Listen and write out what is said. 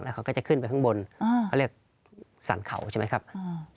เขาก็จะขึ้นไปข้างบนอ่าเขาเรียกสรรเขาใช่ไหมครับ